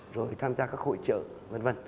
rồi tham gia các hội trợ v v